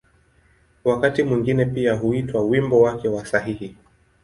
Wakati mwingine pia huitwa ‘’wimbo wake wa sahihi’’.